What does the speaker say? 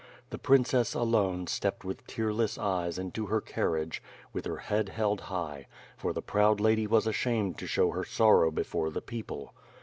The princess, alone, stepped with tearless eyes into her carriage, with her head held high; for the proud lady was ashamed to show her sorrow before the people.